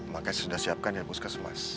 makanya saya sudah siapkan ya puskesmas